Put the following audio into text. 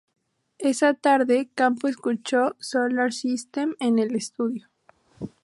Esa tarde, Campo escuchó "Solar System" en el estudio.